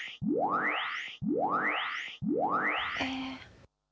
え。